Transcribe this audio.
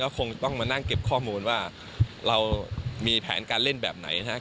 คงจะต้องมานั่งเก็บข้อมูลว่าเรามีแผนการเล่นแบบไหนนะครับ